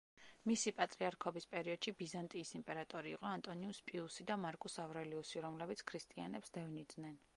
მისი პატრიარქობის პერიოდში ბიზანტიის იმპერატორი იყო ანტონინუს პიუსი და მარკუს ავრელიუსი, რომლებიც ქრისტიანებს დევნიდნენ.